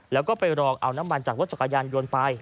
แล้วก็ไปรองเอาน้ำมันจากรถจักรยานยนต์ไป